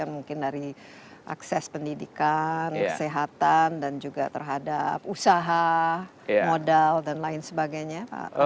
mungkin dari akses pendidikan kesehatan dan juga terhadap usaha modal dan lain sebagainya pak